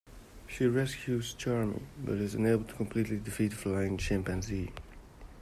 She rescues Charmy, but is unable to completely defeat Flying Chimpanzee.